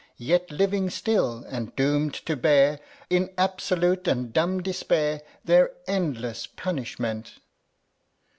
Yet living still, and doom'd to bear, In absolute and dumb despair, Their endless punishment.